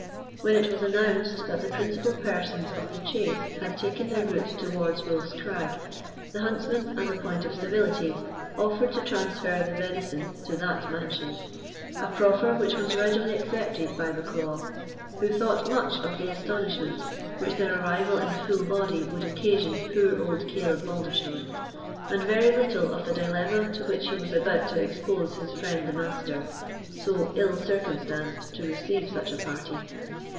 When it was announced that the principal persons of the chase had taken their route towards Wolf's Crag, the huntsmen, as a point of civility, offered to transfer the venison to that mansion; a proffer which was readily accepted by Bucklaw, who thought much of the astonishment which their arrival in full body would occasion poor old Caleb Balderstone, and very little of the dilemma to which he was about to expose his friend the Master, so ill circumstanced to receive such a party.